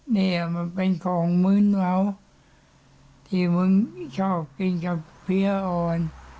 นี่มันเป็นของมื้นเหวาที่มึงชอบกินกับเพี้ยอ่อน